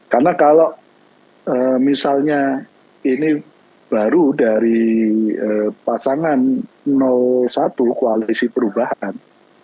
karena kalau misalnya ini baru dari pasangan satu koalisi perubahan